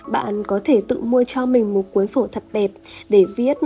bạn có thể tự mua cho mình một cuốn sổ thật đẹp để viết